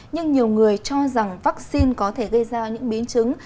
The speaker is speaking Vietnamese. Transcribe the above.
nhưng nhiều người cho rằng vắc xin có thể gây ra những biến chứng